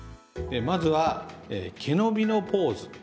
まずはけのびのポーズ。